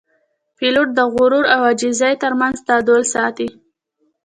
پیلوټ د غرور او عاجزۍ ترمنځ تعادل ساتي.